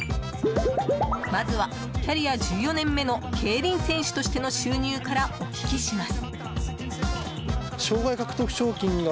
まずはキャリア１４年目の競輪選手としての収入からお聞きします。